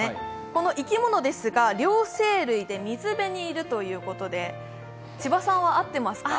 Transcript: この生き物ですが両生類で水辺にいるということで千葉さんは合っていますか？